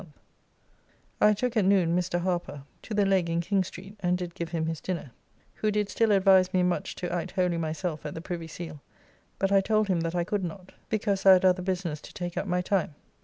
] I took at noon Mr. Harper to the Leg in King Street, and did give him his dinner, who did still advise me much to act wholly myself at the Privy Seal, but I told him that I could not, because I had other business to take up my time.